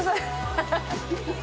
ハハハハ！